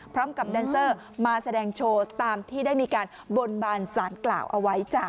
แบนเซอร์มาแสดงโชว์ตามที่ได้มีการบนบานสารกล่าวเอาไว้จ้ะ